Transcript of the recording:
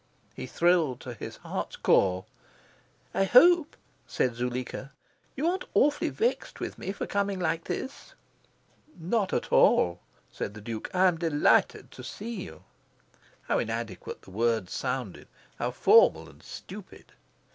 He thrilled to his heart's core. "I hope," said Zuleika, "you aren't awfully vexed with me for coming like this?" "Not at all," said the Duke. "I am delighted to see you." How inadequate the words sounded, how formal and stupid!